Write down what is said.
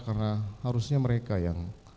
karena harusnya mereka yang